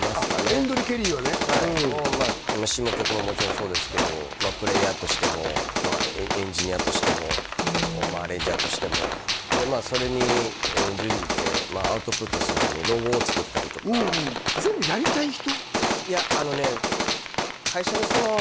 ＥＮＤＲＥＣＨＥＲＩ．はねはい詞も曲ももちろんそうですけどプレーヤーとしてもエンジニアとしてもアレンジャーとしてもまあそれに準じてアウトプットするのにロゴを作ったりとか全部やりたい人？